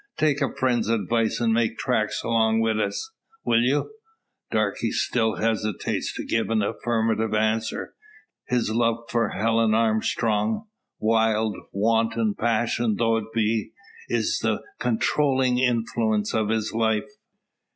Take a friend's advice, and make tracks along wi' us. Will you?" Darke still hesitates to give an affirmative answer. His love for Helen Armstrong wild, wanton passion though it be is the controlling influence of his life.